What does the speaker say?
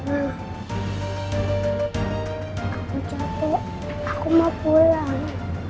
aku capek aku mau pulang